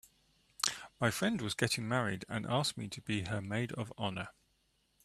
My friend was getting married and asked me to be her maid of honor.